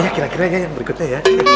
ya kira kira ya yang berikutnya ya